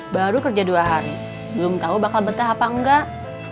baru kerja dua hari belum tahu bakal betah apa enggak